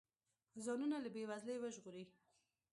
ځانونه له بې وزلۍ وژغوري.